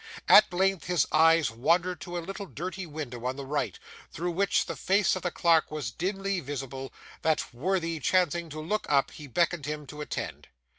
At length, his eyes wandered to a little dirty window on the left, through which the face of the clerk was dimly visible; that worthy chancing to look up, he beckoned him to attend.